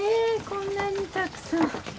こんなにたくさん。